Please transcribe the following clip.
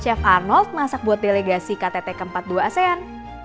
chef art masak buat delegasi ktt ke empat puluh dua asean